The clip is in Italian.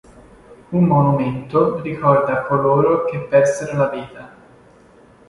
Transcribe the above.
Un monumento ricorda coloro che persero la vita.